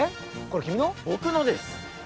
これ君の？僕のです。